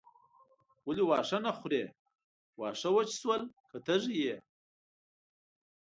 ولې واښه نه خورې واښه وچ شول که تږې یې.